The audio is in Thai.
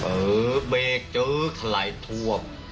เปลี่ยนหลายทั่ว